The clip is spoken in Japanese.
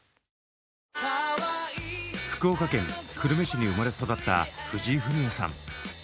福岡県久留米市に生まれ育った藤井フミヤさん。